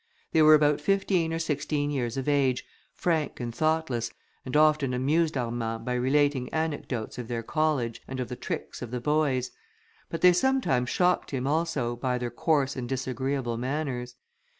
They were about fifteen or sixteen years of age, frank and thoughtless, and often amused Armand by relating anecdotes of their college, and of the tricks of the boys; but they sometimes shocked him also, by their coarse and disagreeable manners.